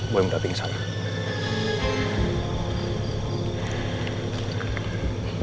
gue udah pingsan